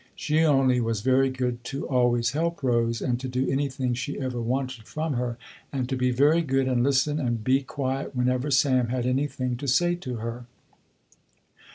She only was very good to always help Rose, and to do anything she ever wanted from her, and to be very good and listen and be quiet whenever Sam had anything to say to her.